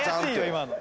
今の。